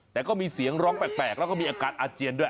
แต่ก็มีเสียงร้องแปลกแล้วก็มีอาการอาเจียนด้วย